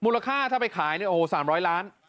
ค่าถ้าไปขายเนี่ยโอ้โห๓๐๐ล้าน